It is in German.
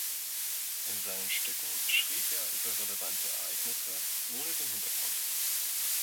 In seinen Stücken schrieb er über relevante Ereignisse, ohne den Hintergrund.